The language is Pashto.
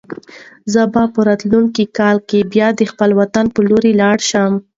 زه به په راتلونکي کال کې بیا د خپل وطن په لور لاړ شم.